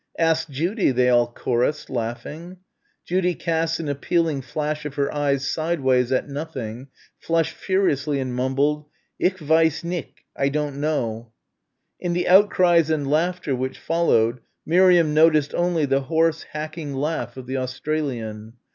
"Ask Judy!" they all chorused, laughing. Judy cast an appealing flash of her eyes sideways at nothing, flushed furiously and mumbled, "Ik weiss nik I don't know." In the outcries and laughter which followed, Miriam noticed only the hoarse hacking laugh of the Australian.